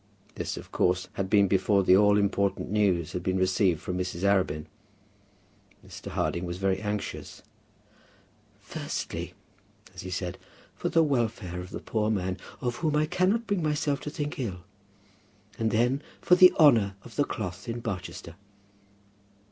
This of course had been before the all important news had been received from Mrs. Arabin. Mr. Harding was very anxious, "Firstly," as he said, "for the welfare of the poor man, of whom I cannot bring myself to think ill; and then for the honour of the cloth in Barchester."